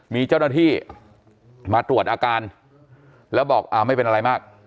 มีเจ้าหน้าที่มาตรวจอาการแล้วบอกไม่เป็นอะไรมาก